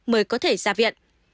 mới có thể ra viện